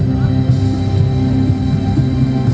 สวัสดีครับทุกคน